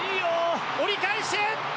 折り返し！